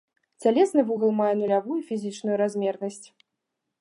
Цялесны вугал мае нулявую фізічную размернасць.